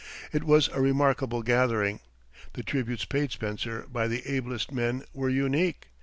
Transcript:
It was a remarkable gathering. The tributes paid Spencer by the ablest men were unique.